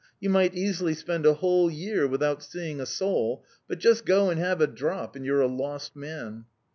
You might easily spend a whole year without seeing a soul; but just go and have a drop and you're a lost man!"